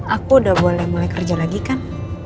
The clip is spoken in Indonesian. aku udah mulai mulai kerja lagi kan